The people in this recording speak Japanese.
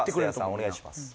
お願いします